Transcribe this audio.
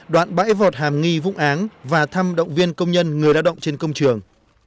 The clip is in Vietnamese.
đoạn bãi vọt hàm nghi vũng áng và thăm động viên công nhân người đa động trên công trường